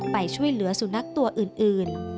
ไปช่วยเหลือศูนรักษณะตัวอื่น